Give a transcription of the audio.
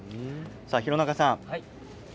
廣中さん